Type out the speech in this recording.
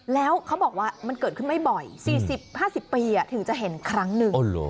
แล้วเขาบอกว่ามันเกิดขึ้นไม่บ่อยสี่สิบห้าสิบปีอ่ะถือจะเห็นครั้งหนึ่งโอ้โห